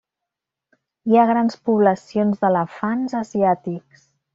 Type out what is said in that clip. Hi ha grans poblacions d'elefants asiàtics.